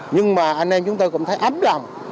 nhưng mà anh em chúng tôi cũng thấy ấm lòng